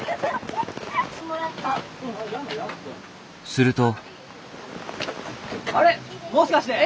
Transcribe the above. すると。